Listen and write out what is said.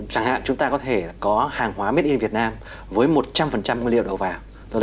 chẳng hạn chúng ta có thể có hàng hóa made in việt nam với một trăm linh nguyên liệu đầu vào